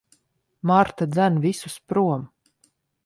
Marta dzen visus prom.